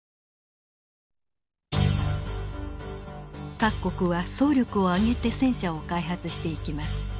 各国は総力を挙げて戦車を開発していきます。